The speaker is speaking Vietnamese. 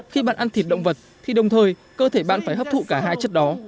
khi bạn ăn thịt động vật thì đồng thời cơ thể bạn phải hấp thụ cả hai chất đó